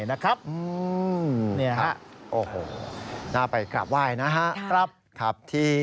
ย้ำกันอีกครั้งครับ